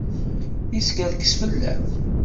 Yeskerkes fell-am.